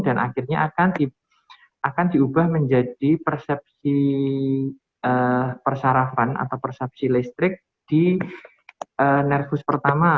dan akhirnya akan diubah menjadi persepsi persarafan atau persepsi listrik di nervus pertama